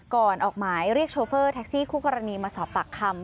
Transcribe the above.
ออกหมายเรียกโชเฟอร์แท็กซี่คู่กรณีมาสอบปากคำ